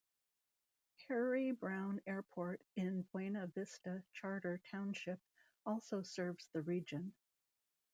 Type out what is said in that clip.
Harry Browne Airport in Buena Vista Charter Township also serves the region.